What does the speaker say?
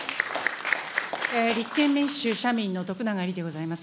立憲民主・社民の徳永エリでございます。